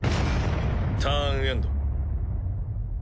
ターンエンド。